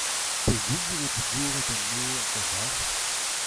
Pegoulz e vo digoret an nor ganeoc'h ?